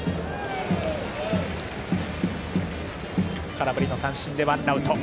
空振り三振で、ワンアウト。